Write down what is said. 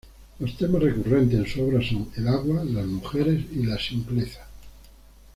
Los temas recurrentes en su obra son: el agua, las mujeres y la simpleza.